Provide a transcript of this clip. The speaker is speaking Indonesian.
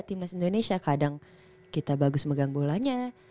timnas indonesia kadang kita bagus megang bolanya